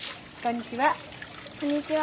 こんにちは。